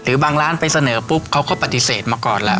บางร้านไปเสนอปุ๊บเขาก็ปฏิเสธมาก่อนแล้ว